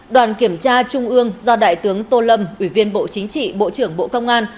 đoàn kiểm tra trung ương do đại tướng tô lâm ủy viên bộ chính trị bộ trưởng bộ công an